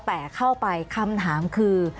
แต่เข้าไปคำถามคือ